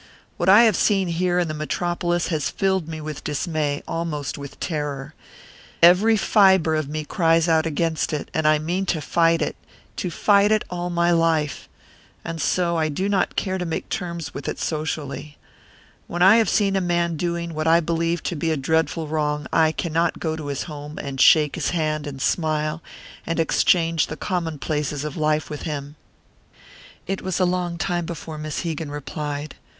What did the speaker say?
What I have seen here in the Metropolis has filled me with dismay, almost with terror. Every fibre of me cries out against it; and I mean to fight it to fight it all my life. And so I do not care to make terms with it socially. When I have seen a man doing what I believe to be a dreadful wrong, I cannot go to his home, and shake his hand, and smile, and exchange the commonplaces of life with him." It was a long time before Miss Hegan replied.